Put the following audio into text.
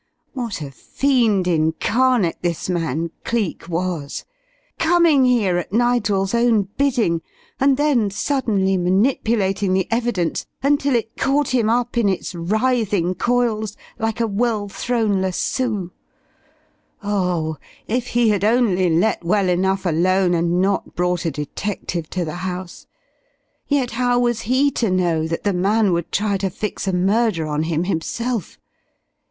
What a fiend incarnate this man Cleek was! Coming here at Nigel's own bidding, and then suddenly manipulating the evidence, until it caught him up in its writhing coils like a well thrown lasso. Oh, if he had only let well enough alone and not brought a detective to the house. Yet how was he to know that the man would try to fix a murder on him, himself?